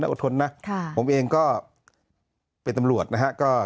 อดทนนะผมเองก็เป็นตำรวจนะฮะ